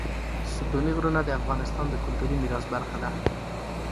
ستوني غرونه د افغانستان د کلتوري میراث برخه ده.